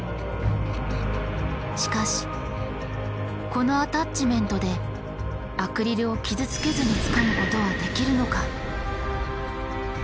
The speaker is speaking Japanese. しかしこのアタッチメントでアクリルを傷つけずにつかむことはできるのか？